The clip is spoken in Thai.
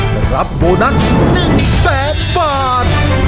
จะรับโบนัส๑แสนบาท